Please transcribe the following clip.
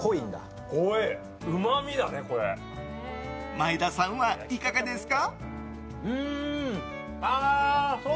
前田さんはいかがですか？